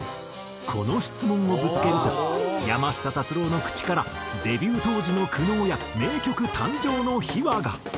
この質問をぶつけると山下達郎の口からデビュー当時の苦悩や名曲誕生の秘話が。